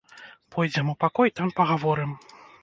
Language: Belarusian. Пойдзем у пакой, там пагаворым.